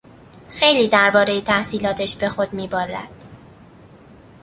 خیلی دربارهی تحصیلاتش به خود میبالد.